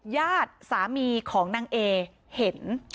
ญาติสามีของนางเอเห็น